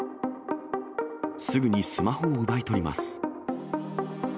すぐにスマホを奪い取ります。